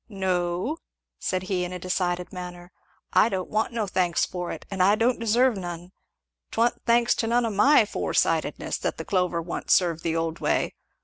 "No," said he in a decided manner, "I don't want no thanks for it, and I don't deserve none! 'Twa'n't thanks to none of my fore sightedness that the clover wa'n't served the old way.